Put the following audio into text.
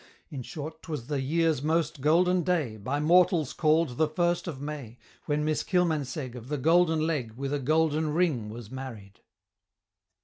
In short, 'twas the year's most Golden Day, By mortals call'd the First of May, When Miss Kilmansegg, Of the Golden Leg, With a Golden Ring was married!